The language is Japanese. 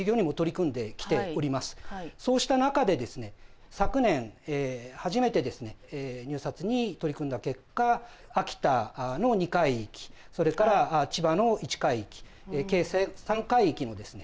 そうした中でですね昨年初めてですね入札に取り組んだ結果秋田の２海域それから千葉の１海域計３海域のですね